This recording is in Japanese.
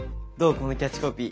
このキャッチコピー。